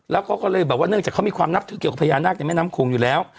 แล้วก็ก็เลยแบบว่าเนื่องจากเขามีความนับถือเกี่ยวกับพญานาคในแม่น้ำโขงอยู่แล้ว